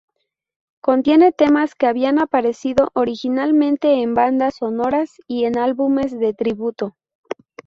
Contiene temas que habían aparecido originalmente en bandas sonoras y en álbumes de tributo.